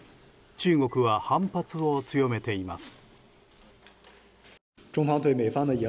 中国は反発を強めています。